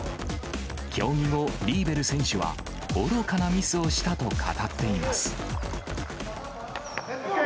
競技後、リーベル選手は、愚かなミスをしたと語っています。